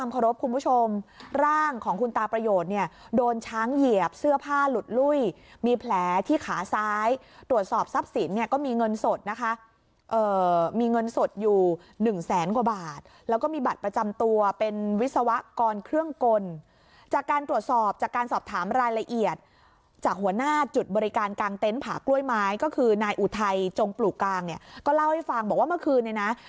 ผ้าหลุดลุ้ยมีแผลที่ขาซ้ายตรวจสอบทรัพย์สินเนี่ยก็มีเงินสดนะคะเอ่อมีเงินสดอยู่หนึ่งแสนกว่าบาทแล้วก็มีบัตรประจำตัวเป็นวิศวกรเครื่องกลจากการตรวจสอบจากการสอบถามรายละเอียดจากหัวหน้าจุดบริการกลางเต็นต์ผากล้วยไม้ก็คือนายอุทัยจงปลูกกลางเนี่ยก็เล่าให้ฟังบอกว่าเมื่อคืน